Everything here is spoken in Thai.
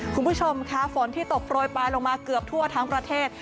คุณผู้ชมค่ะฝนที่ตกโปรยปลายลงมาเกือบทั่วทั้งประเทศ